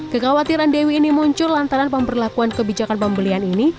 kekhawatiran dewi ini muncul lantaran pemberlakuan kebijakan pembelian ini